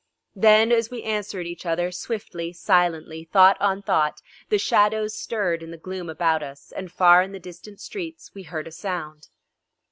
Then as we answered each other, swiftly, silently, thought on thought, the shadows stirred in the gloom about us, and far in the distant streets we heard a sound.